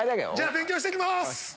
勉強して来ます。